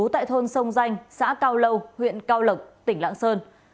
tại thôn sông danh xã cao lâu huyện cao lộc tỉnh lạng sơn